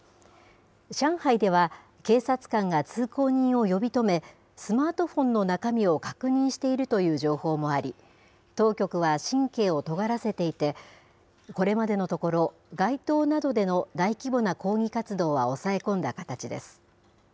上海では、警察官が通行人を呼び止め、スマートフォンの中身を確認しているという情報もあり、当局は神経をとがらせていて、これまでのところ、街頭などでの大規模な抗議活動は抑え込んだ形です。